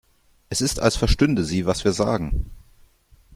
Es ist, als verstünde sie, was wir sagen.